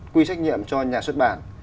quy trách nhiệm cho nhà xuất bản